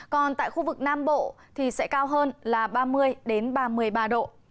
còn tại khu vực nam bộ thì sẽ cao hơn là ba mươi ba mươi ba độ